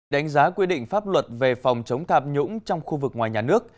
đánh giá quy định pháp luật về phòng chống tham nhũng trong khu vực ngoài nhà nước